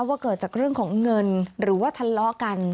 ว่าเกิดจากเรื่องของเงินหรือว่าทะเลาะกัน